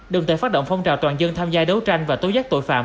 đồng tài phát động phong trào toàn dân tham gia đấu tranh và tối giác tội phạm